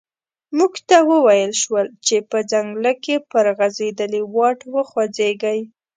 موږ ته و ویل شول چې په ځنګله کې پر غزیدلي واټ وخوځیږئ.